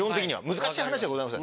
難しい話ではございません。